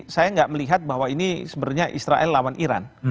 saya nggak melihat bahwa ini sebenarnya israel lawan iran